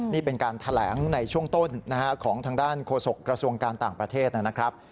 นี่เป็นการแถลงในช่วงต้นของทางด้านโฆษกระทรวงการต่างประเทศนะครับ